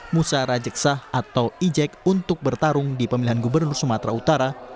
musa rajeksah atau ijek untuk bertarung di pemilihan gubernur sumatera utara